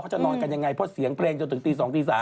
เขาจะนอนกันอย่างไรเพราะเสียงปรงจนถึงตี๒๓